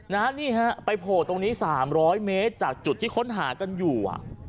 นี่ฮะไปโผล่ตรงนี้๓๐๐เมตรจากจุดที่ค้นหากันอยู่อ่ะ